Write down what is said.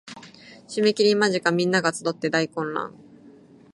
締切間近皆が集って大混乱